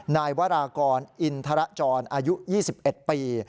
นายวรากรอินทรจรอายุ๒๑ปี